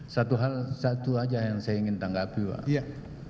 satu hal satu saja yang saya ingin tanggapi pak